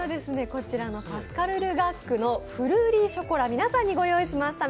パスカル・ル・ガックのフルーリーショコラ、皆さんにご用意しました。